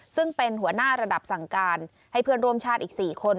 ซึ่งเป็นหัวหน้าระดับสั่งการให้เพื่อนร่วมชาติอีก๔คน